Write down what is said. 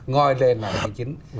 nói lên là cái chính